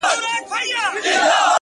پر دې دنیا سوځم پر هغه دنیا هم سوځمه